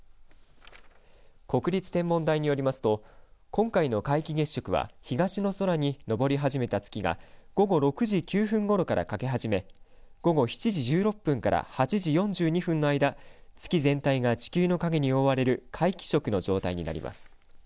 国立天文台によりますと今回の皆既月食は東の空に昇りはじめた月が午後６時９分ごろから欠け始め午後７時１６分から８時４２分の間月全体が地球の影に覆われる皆既月食の状態になります。